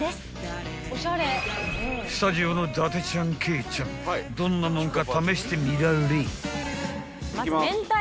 ［スタジオの伊達ちゃん圭ちゃんどんなもんか試してみられい］